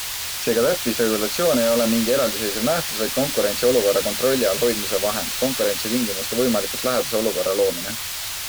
Seega täppisregulatsioon ei ole mingi eraldiseisev nähtus vaid konkurentsiolukorra kontrolli all hoidmise vahend, konkurentsitingimustele võimalikult lähedase olukorra loomine.